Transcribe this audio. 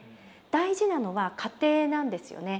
大事なのは過程なんですよね。